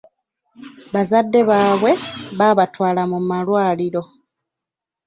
Bazadde baabwe babaatwala mu malwaliro.